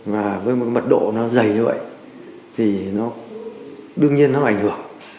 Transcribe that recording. và với một mật độ nó dày như vậy thì nó đương nhiên nó ảnh hưởng